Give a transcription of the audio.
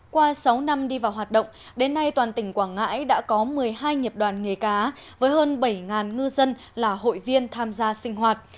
qua sáu năm đi vào hoạt động đến nay toàn tỉnh quảng ngãi đã có một mươi hai nghiệp đoàn nghề cá với hơn bảy ngư dân là hội viên tham gia sinh hoạt